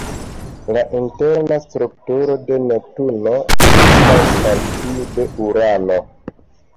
La interna strukturo de Neptuno similas al tiu de Urano.